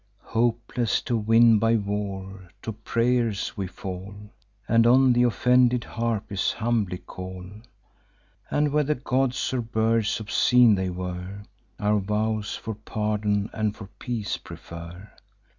Hopeless to win by war, to pray'rs we fall, And on th' offended Harpies humbly call, And whether gods or birds obscene they were, Our vows for pardon and for peace prefer.